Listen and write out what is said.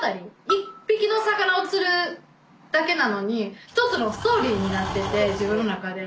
一匹の魚を釣るだけなのに一つのストーリーになってて自分の中で。